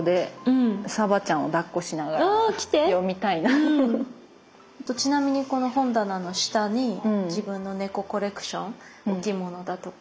あとちなみにこの本棚の下に自分の猫コレクション置物だとか。